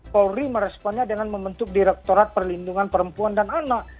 polri meresponnya dengan membentuk direktorat perlindungan perempuan dan anak